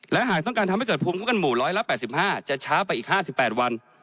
และหากต้องการทำให้เกิดภูมิคุ้มกันหมู่๑๘๕จะช้าไปอีก๕๘วัน